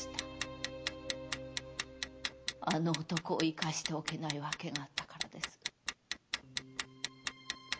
あの男を生かしておけない訳があったからです。